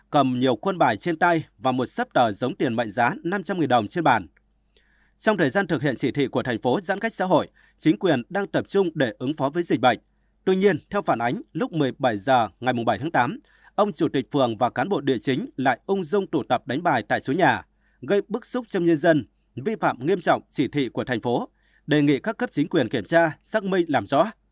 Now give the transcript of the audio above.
chủ tịch phường và cán bộ địa chính lại ung dung tủ tập đánh bài tại số nhà gây bức xúc trong nhân dân vi phạm nghiêm trọng chỉ thị của thành phố đề nghị các cấp chính quyền kiểm tra xác minh làm rõ